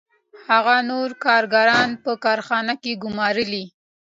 هغه نور کارګران په کارخانه کې ګوماري